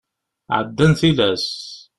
Ɛeddan tilas.